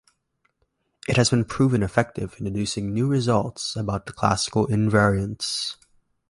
It has been proven effective in deducing new results about the classical invariants.